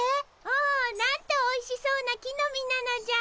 おおなんとおいしそうな木の実なのじゃ。